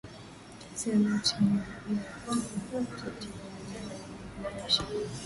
sehemu ya chini ya miguu na hata kwenye matiti ya mnyama anayenyonyesha